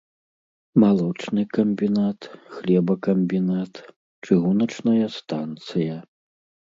Малочны камбінат, хлебакамбінат, чыгуначная станцыя.